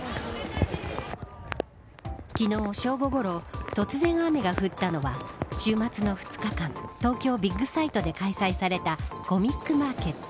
昨日、正午ごろ突然、雨が降ったのは週末の２日間東京ビッグサイトで開催されたコミックマーケット